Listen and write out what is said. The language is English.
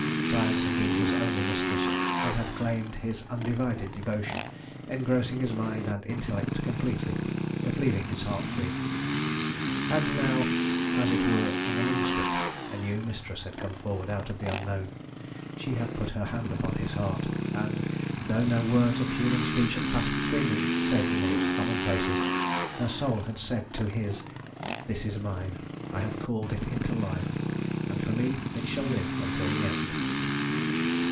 Science had been his only mistress, and had claimed his undivided devotion, engrossing his mind and intellect completely, but leaving his heart free. And now, as it were in an instant, a new mistress had come forward out of the unknown. She had put her hand upon his heart, and, though no words of human speech had passed between them, save the merest commonplaces, her soul had said to his, "This is mine. I have called it into life, and for me it shall live until the end."